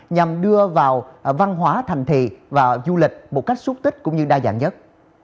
nhằm đưa vào văn hóa thành thị và du lịch một cách xúc tích cũng như đa dạng nhất